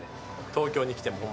東京に来ても。